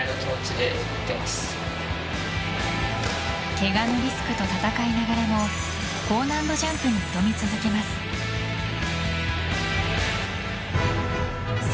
けがのリスクと戦いながらも高難度ジャンプに挑み続けます。